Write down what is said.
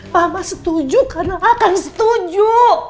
mama setuju karena akan setuju